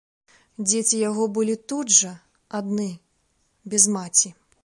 Дзеці яго былі тут жа, адны, без маці.